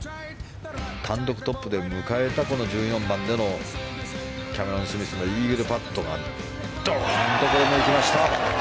単独トップで迎えた１４番でのキャメロン・スミスのイーグルパットがドンといきました！